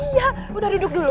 iya udah duduk dulu